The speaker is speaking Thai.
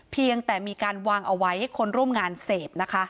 เพียงแต่มีการวางเอาไว้ให้คนร่วมงานเสพนะคะ